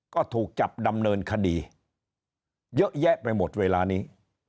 ก็ถูกจับดำเนินคดีเยอะแยะไปหมดเวลานี้